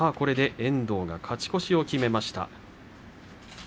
遠藤、勝ち越しを決めました。